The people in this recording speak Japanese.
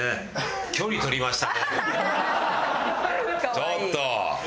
ちょっと！